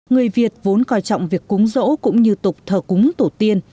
người việt vốn coi trọng việc cúng rỗ cũng như tục thờ cúng tổ tiên